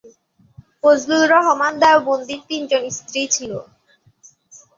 ফজলুর রহমান দেওবন্দির তিনজন স্ত্রী ছিল।